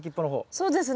そうですね。